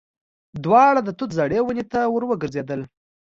دواړه د توت زړې ونې ته ور وګرځېدل.